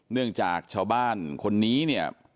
เนื่องจากชาวบ้านคนนี้เนี่ย